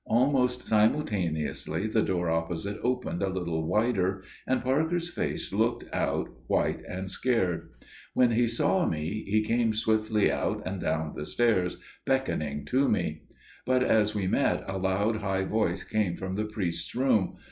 Almost simultaneously the door opposite opened a little wider, and Parker's face looked out, white and scared. When he saw me, he came swiftly out and down the stairs, beckoning to me; but as we met, a loud high voice came from the priest's room.